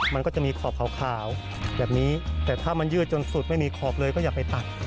มันก็จะมีขอบขาวแบบนี้แต่ถ้ามันยืดจนสุดไม่มีขอบเลยก็อย่าไปตัด